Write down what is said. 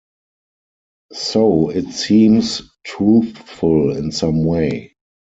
So it seems truthful in some way.